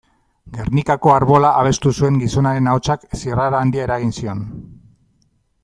Gernikako Arbola abestu zuen gizonaren ahotsak zirrara handia eragin zion.